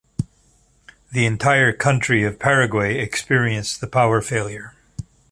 The entire country of Paraguay experienced the power failure.